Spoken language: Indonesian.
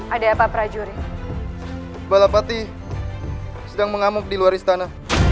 ada apa prajurit balapati sedang mengamuk di luar istana